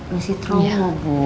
masih trauma bu